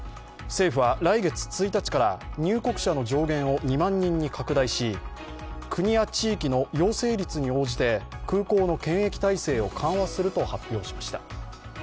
政府は来月１日から入国者の上限を２万人に拡大し、国や地域の陽性率に応じて空港の検疫体制を緩和すると発表しました。